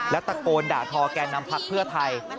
และตะโกนด่าทอแก่นำพักเพื่อไทย